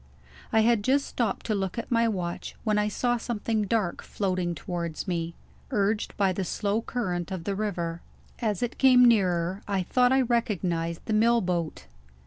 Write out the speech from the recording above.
I had just stopped to look at my watch, when I saw something dark floating towards me, urged by the slow current of the river. As it came nearer, I thought I recognized the mill boat.